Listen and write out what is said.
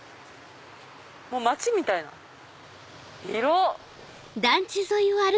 もう街みたいな。広っ！